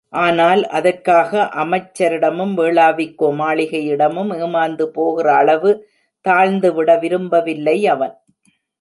ஆனால் அதற்காக அமைச்சரிடமும் வேளாவிக்கோ மாளிகையிடமும் ஏமாந்துபோகிற அளவு தாழ்ந்துவிட விரும்பவில்லை அவன்.